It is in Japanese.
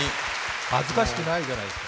恥ずかしくないじゃないですか。